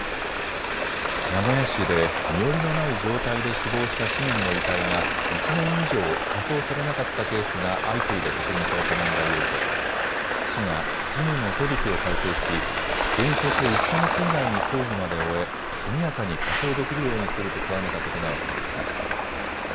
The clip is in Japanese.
名古屋市で身寄りのない状態で死亡した市民の遺体が１年以上火葬されなかったケースが相次いで確認された問題を受け、市が事務の手引きを改正し原則１か月以内に葬儀まで終え速やかに火葬できるようにすると定めたことが分かりました。